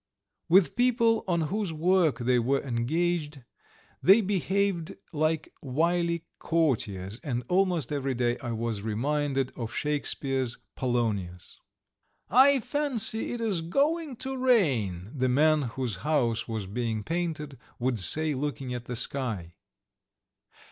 With people on whose work they were engaged they behaved like wily courtiers, and almost every day I was reminded of Shakespeare's Polonius. "I fancy it is going to rain," the man whose house was being painted would say, looking at the sky.